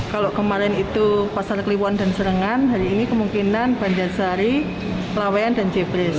kalau kemarin itu pasar kliwon dan serengan hari ini kemungkinan bandarsari lawen dan jebres